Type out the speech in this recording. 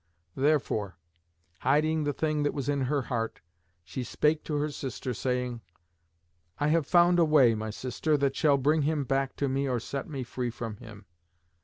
Therefore, hiding the thing that was in her heart, she spake to her sister, saying, "I have found a way, my sister, that shall bring him back to me or set me free from him.